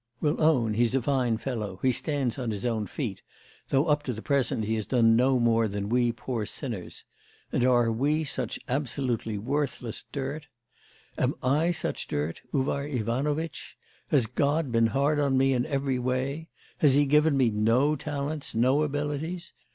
We'll own he's a fine fellow, he stands on his own feet, though up to the present he has done no more than we poor sinners; and are we such absolutely worthless dirt? Am I such dirt, Uvar Ivanovitch? Has God been hard on me in every way? Has He given me no talents, no abilities?